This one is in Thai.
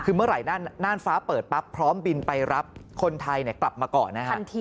คือเมื่อไหร่น่านฟ้าเปิดปั๊บพร้อมบินไปรับคนไทยกลับมาก่อนนะฮะ